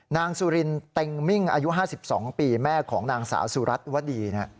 นางสุรินเต็งมิ่งอายุ๕๒ปีแม่ของนางสาวสุรัตน์วดี